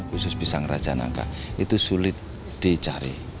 khusus pisang raja nangka itu sulit dicari